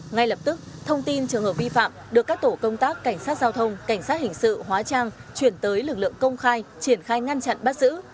ngay lập tức thông tin trường hợp vi phạm được các tổ công tác cảnh sát giao thông cảnh sát hình sự hóa trang chuyển tới lực lượng công khai triển khai ngăn chặn bắt giữ